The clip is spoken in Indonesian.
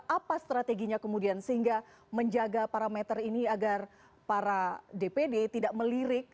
apa strateginya kemudian sehingga menjaga parameter ini agar para dpd tidak melirik